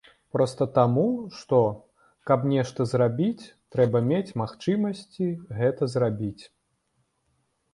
Проста таму, што, каб нешта зрабіць, трэба мець магчымасці гэта зрабіць.